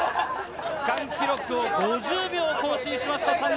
区間記録を５０秒更新しました。